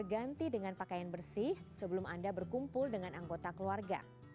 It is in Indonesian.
lihat bagaimana cara menggunakan pakaian bersih sebelum anda berkumpul dengan anggota keluarga